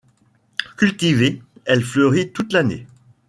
Cultivée, elle fleurit toute l'année.